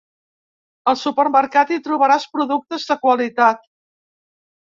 Al supermercat hi trobaràs productes de qualitat.